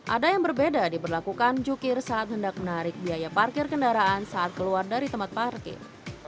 ada yang berbeda diberlakukan jukir saat hendak menarik biaya parkir kendaraan saat keluar dari tempat parkir